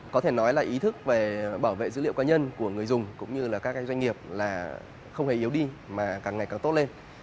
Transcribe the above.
có thể nói là ý thức về bảo vệ dữ liệu cá nhân của người dùng cũng như là các doanh nghiệp là không hề yếu đi mà càng ngày càng tốt lên